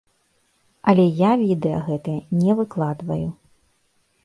Але я відэа гэтыя не выкладваю.